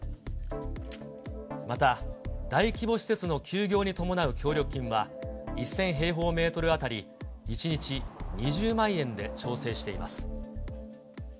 また、大規模施設の休業に伴う協力金は、１０００平方メートル当たり、１日２０万円で調整しています。